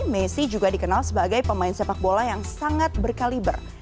messi juga dikenal sebagai pemain sepak bola yang sangat berkaliber